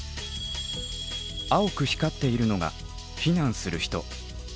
青く光っているのが避難する人。